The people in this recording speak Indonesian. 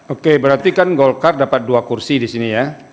oke berarti kan golkar dapat dua kursi di sini ya